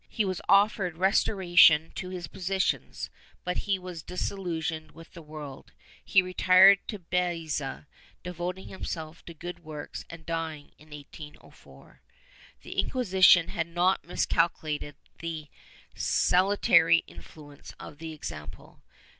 He was offered restoration to his positions, but he was disillusioned with the world; he retired to Baeza, devoting himself to good works and dying in 1804.^ ._ The Inc|uisition had not miscalculated the salutary influence of the example.